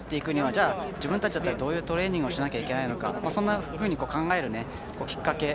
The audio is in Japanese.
じゃあ、自分たちだったらどういうトレーニングをしなければいけないのかそんなふうに考える、きっかけ